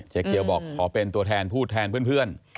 เกียวบอกขอเป็นตัวแทนพูดแทนเพื่อน